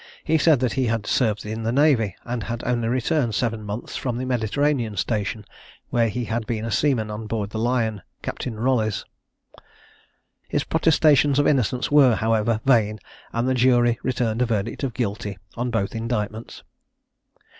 He said that he had served in the navy, and had only returned seven months from the Mediterranean station, where he had been a seaman on board the Lion, Captain Rolles. His protestations of innocence were, however, vain, and the jury returned a verdict of Guilty on both indictments.